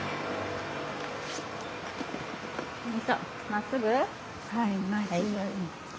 まっすぐ？